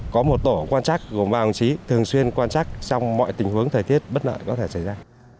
có một tổ quan trắc gồm vàng trí thường xuyên quan trắc trong mọi tình huống thời tiết bất nợ có thể xảy ra